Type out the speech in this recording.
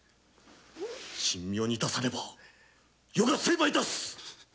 神妙に致さねば余が成敗致す！